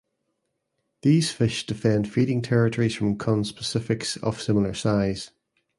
These fish defend feeding territories from conspecifics of similar size.